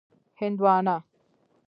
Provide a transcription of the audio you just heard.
🍉 هندوانه